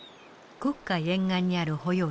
黒海沿岸にある保養地